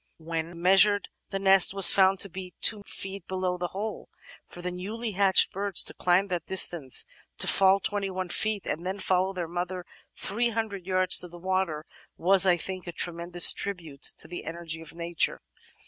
When measiu*ed the nest was found to be 2 feet below the hole. For the newly hatched birds to climb that distance, to fall 21 feet, and then follow their mother 300 yards to the water was, I think, a tremendous tribute to the energy of nature."